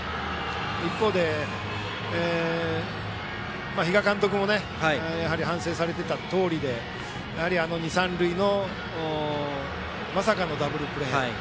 一方で、比嘉監督もやはり反省されていたとおりで二、三塁のまさかのダブルプレー。